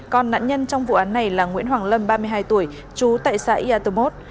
còn nạn nhân trong vụ án này là nguyễn hoàng lâm ba mươi hai tuổi trú tại xã yatomot